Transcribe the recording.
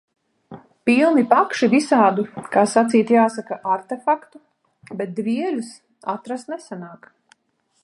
Pilni pakši visādu, kā sacīt jāsaka, artefaktu, bet dvieļus atrast nesanāk!